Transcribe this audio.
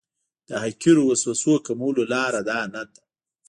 د حقیرو وسوسو کمولو لاره دا نه ده.